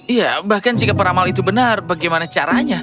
iya bahkan jika peramal itu benar bagaimana caranya